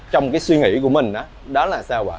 trong cái suy nghĩ của mình đó là sao ạ